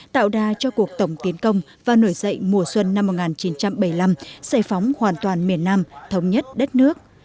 tạo đà cho cuộc tổng tiến công và nổi dậy mùa xuân năm một nghìn chín trăm bảy mươi năm xây phóng hoàn toàn miền nam thống nhất đất nước